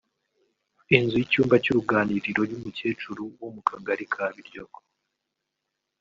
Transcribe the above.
Inzu y’icyumba n’uruganiriro y’umukecuru wo mu Kagari ka Biryogo